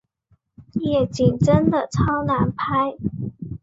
夜景真的超难拍